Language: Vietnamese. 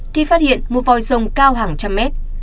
khi phát hiện một vòi dòng cao hàng trăm mét